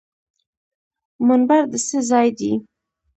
منبر د څه ځای دی؟